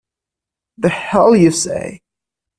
The hell you say!